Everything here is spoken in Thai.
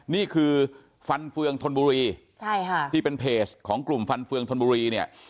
นี่คือฟันเฟืองธนบุรีใช่ค่ะที่เป็นเพจของกลุ่มฟันเฟืองธนบุรีเนี่ย